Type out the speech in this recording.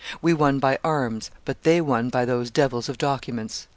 We won by arms, but they won by those devils of documents."